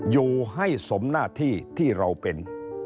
อยู่ให้สมหน้าที่ที่เราเป็น